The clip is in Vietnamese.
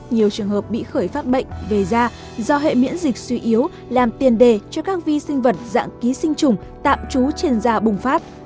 nhiều trường hợp bị khởi phát bệnh về da do hệ miễn dịch suy yếu làm tiền đề cho các vi sinh vật dạng ký sinh trùng tạm trú trên da bùng phát